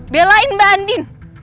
belain mbak andi